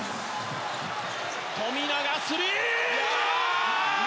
富永、スリー！